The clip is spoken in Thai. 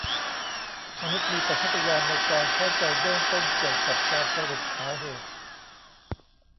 มนุษย์มีสัญชาตญาณในการเข้าใจเบื้องต้นเกี่ยวกับการสรุปสาเหตุ